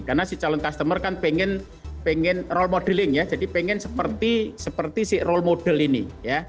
karena si calon customer kan pengen role modeling ya jadi pengen seperti si role model ini ya